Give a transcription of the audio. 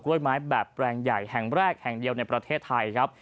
ไม้แบบแปลงใหญ่แห่งแรกแห่งเดียวในประเทศไทยครับ